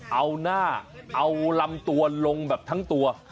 เอาหน้าเอาลำตัวลงแบบทั้งตัว